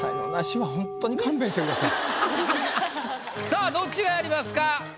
さあどっちがやりますか？